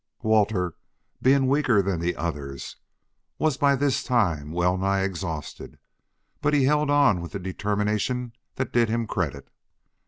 Walter, being weaker than the others, was by this time well nigh exhausted, but he held on with a determination that did him credit.